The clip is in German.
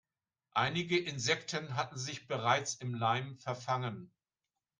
Einige Insekten hatten sich bereits im Leim verfangen.